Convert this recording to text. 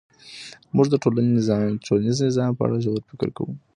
موږ د ټولنیز نظام په اړه ژور فکر کوو.